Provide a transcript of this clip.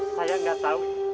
saya nggak tau